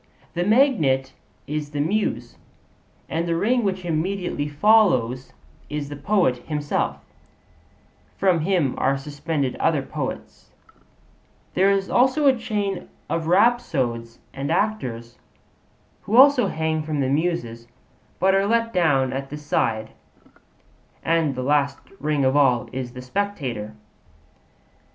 The magnet is the Muse, and the ring which immediately follows is the poet himself; from him are suspended other poets; there is also a chain of rhapsodes and actors, who also hang from the Muses, but are let down at the side; and the last ring of all is the spectator.